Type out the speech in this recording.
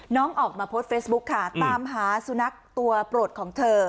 น้องออกมาโพสต์เฟซบุ๊คค่ะตามหาสุนัขตัวโปรดของเธอ